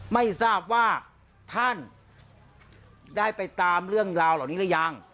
ไม่ทราบว่าท่านได้ไปตามเรื่องราวเหล่านี้หรือยัง